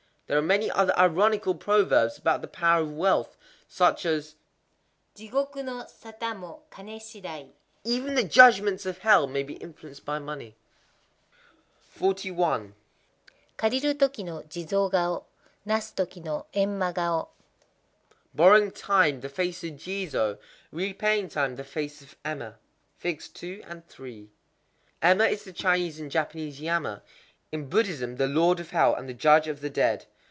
—There are many other ironical proverbs about the power of wealth,—such as Jigoku no sata mo kané shidai: "Even the Judgments of Hell may be influenced by money." 41.—Karu toki no Jizō gao; nasu toki no Emma gao. Borrowing time, the face of Jizō; repaying time, the face of Emma. Emma is the Chinese and Japanese Yama,—in Buddhism the Lord of Hell, and the Judge of the Dead.